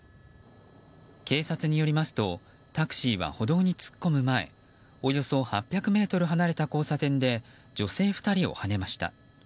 警察によりますとタクシーは歩道に突っ込む前およそ８００ｍ離れた交差点で女性２人をはねました。